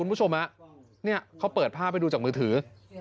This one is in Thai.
คุณผู้ชมเนี่ยเขาเปิดภาพให้ดูจากมือถือ